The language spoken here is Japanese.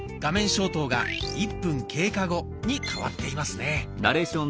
消灯が「１分経過後」に変わっていますね。